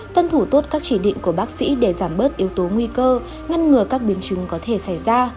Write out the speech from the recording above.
tuân thủ tốt các chỉ định của bác sĩ để giảm bớt yếu tố nguy cơ ngăn ngừa các biến chứng có thể xảy ra